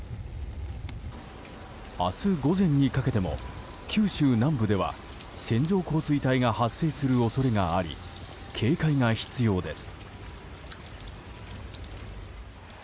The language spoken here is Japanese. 明日午前にかけても九州南部では線状降水帯が発生する恐れがあり警戒が必要です。